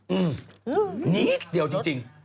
อืมนิดเดียวจริง